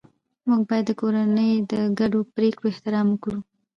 موږ باید د کورنۍ د ګډو پریکړو احترام وکړو